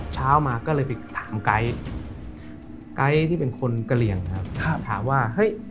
เช้ามาก็เลยไปถามไกด์ไกด์ที่เป็นคนกะเหลี่ยงถามว่า